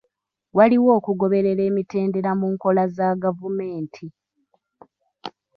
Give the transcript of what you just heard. Waliwo okugoberera emitendera mu nkola za gavumenti.